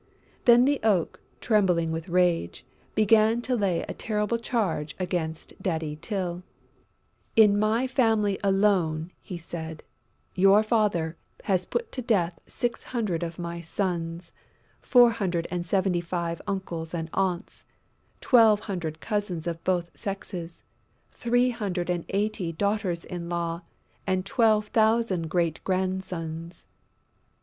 Then the Oak, trembling with rage, began to lay a terrible charge against Daddy Tyl: "In my family alone," he said, "your father has put to death six hundred of my sons, four hundred and seventy five uncles and aunts, twelve hundred cousins of both sexes, three hundred and eighty daughters in law and twelve thousand great grandsons!"